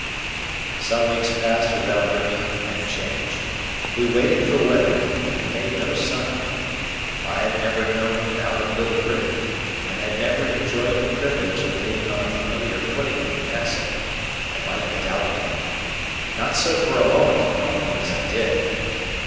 Some weeks passed without bringing any change. We waited for Wemmick, and he made no sign. If I had never known him out of Little Britain, and had never enjoyed the privilege of being on a familiar footing at the Castle, I might have doubted him; not so for a moment, knowing him as I did.